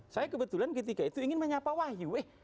saya kebetulan ketika itu ingin menyapa wahyu